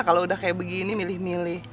kalau udah kayak begini milih milih